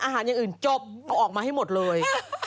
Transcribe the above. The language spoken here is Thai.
อย่างอื่นจบเอาออกมาให้หมดเลย